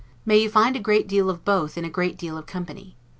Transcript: May you find a great deal of both in a great deal of company!